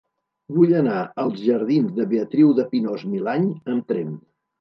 Vull anar als jardins de Beatriu de Pinós-Milany amb tren.